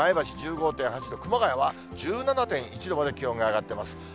前橋１５．８度、熊谷は１７．１度まで気温が上がってます。